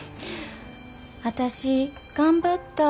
「私頑張ったぁ」